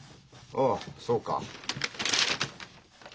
ああそうか。